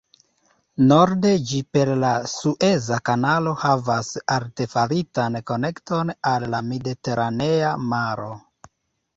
Norde ĝi per la Sueza kanalo havas artefaritan konekton al la Mediteranea Maro.